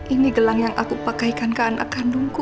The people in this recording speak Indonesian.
ini gelang yang aku pakaikan ke anak kandungku